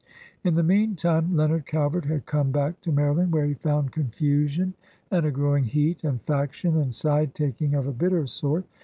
In the meantime Leonard Calvert had come back to Maryland, where he found confusion and a growing heat and faction and side taking of a bitter sort.